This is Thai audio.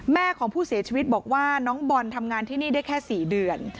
แม่ของผู้เสียชีวิตบอกว่าน้องบอลทำงานที่นี่ได้แค่๔เดือน